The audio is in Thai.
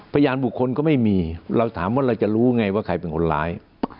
พยานบุคคลก็ไม่มีเราถามว่าเราจะรู้ไงว่าใครเป็นคนร้าย